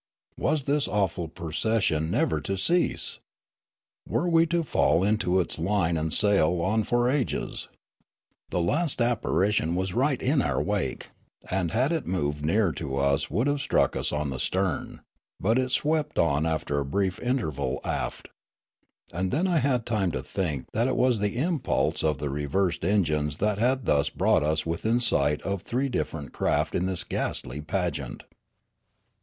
Was this awful procession never to cease ? Were we to fall into its line and sail on for ages ? The last apparition was right in our wake, and had it moved nearer to us would have struck us on the stern ; but it swept on after a brief interval aft. And then I had time to think that it was the impulse of the reversed engines that had thus brought us within sight of three different craft in this ghastly pageant.